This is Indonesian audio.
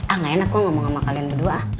ah gak enak gue ngomong sama kalian berdua